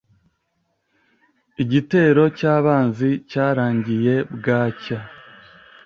Igitero cyabanzi cyarangiye bwacya.